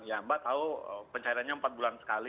ya mbak tahu pencairannya empat bulan sekali